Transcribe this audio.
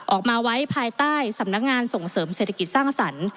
ออกมาไว้ภายใต้สำนักงานส่งเสริมเศรษฐกิจสร้างสรรค์